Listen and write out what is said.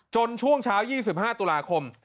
ช่วงเช้า๒๕ตุลาคม